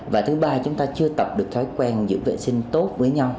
và thứ ba chúng ta chưa tập được thói quen giữ vệ sinh tốt với nhau